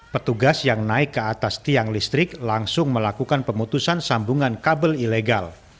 petugas yang naik ke atas tiang listrik langsung melakukan pemutusan sambungan kabel ilegal